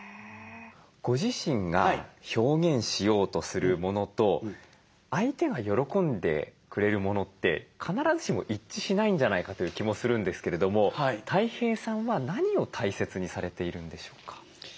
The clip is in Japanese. ご自身が表現しようとするものと相手が喜んでくれるものって必ずしも一致しないんじゃないかという気もするんですけれどもたい平さんは何を大切にされているんでしょうか？